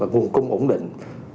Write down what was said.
và đạt nguồn cùng ổn định